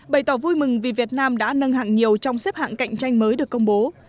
bày tỏ vui mừng vì việt nam đã nâng hạng nhiều trong xếp hạng cạnh tranh mới được công bố